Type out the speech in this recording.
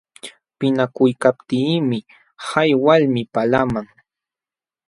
Pinqakuykaptiimi hay walmi palaqman.